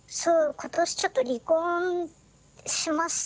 今年ちょっと離婚しまして。